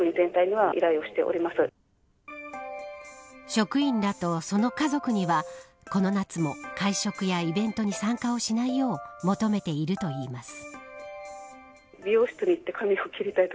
職員らとその家族にはこの夏も、会食やイベントに参加をしないよう求めているといいます。